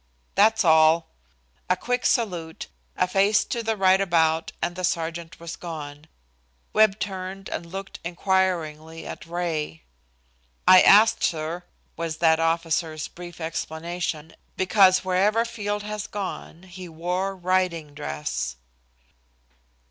"That's all!" A quick salute, a face to the right about and the sergeant was gone. Webb turned and looked inquiringly at Ray. "I asked, sir," was that officer's brief explanation, "because wherever Field has gone he wore riding dress."